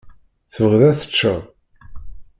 Tebɣiḍ ad teččeḍ.